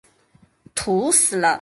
土死了！